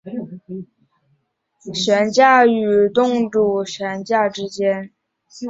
它的性能介于被动悬架与主动悬架之间。